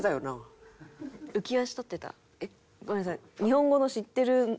えっ？ごめんなさい。